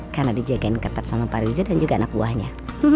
karena dijaga ketat sama pak riza dan juga anak buahnya